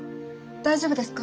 大丈夫ですか？